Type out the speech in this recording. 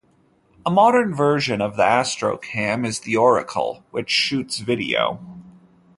A modern version of the Astrocam is the Oracle, which shoots video.